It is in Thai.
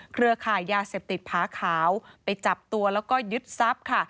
เครือข่ายยาเสพติดผาขาวไปจับตัวแล้วก็ยึดทรัพย์ค่ะ